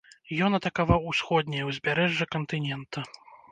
Ён атакаваў усходняе ўзбярэжжа кантынента.